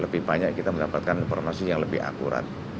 tentunya kita mendapatkan informasi yang lebih akurat